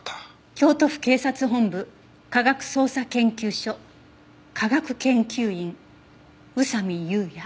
「京都府警察本部科学捜査研究所」「化学研究員宇佐見裕也」